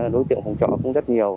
đối tiện hỗ trợ cũng rất nhiều